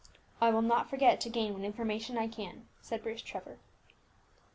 "I will not forget to gain what information I can," said Bruce Trevor.